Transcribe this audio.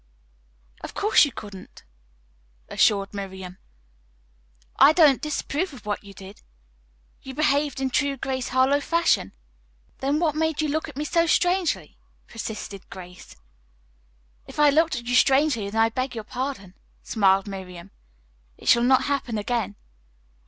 "Of course you couldn't," assured Miriam. "I don't disapprove of what you did. You behaved in true Grace Harlowe fashion." "Then what made you look at me so strangely?" persisted Grace. "If I looked at you strangely, then I beg your pardon," smiled Miriam. "It shall not happen again."